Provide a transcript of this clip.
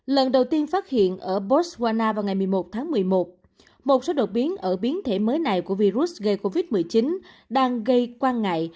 lần đầu tiên phát hiện ở botswana vào ngày một mươi một tháng một mươi một một số đột biến ở biến thể mới này của virus gây covid một mươi chín đang gây quan ngại